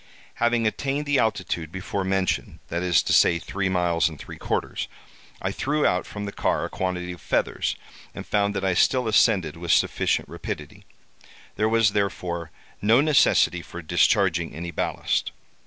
"Having attained the altitude before mentioned, that is to say three miles and three quarters, I threw out from the car a quantity of feathers, and found that I still ascended with sufficient rapidity; there was, therefore, no necessity for discharging any ballast.